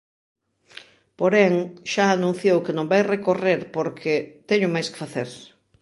Porén, xa anunciou que non vai recorrer porque "teño máis que facer".